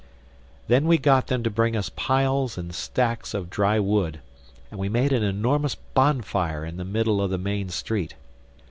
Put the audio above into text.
Then we got them to bring us piles and stacks of dry wood; and we made an enormous bonfire in the middle of the main street.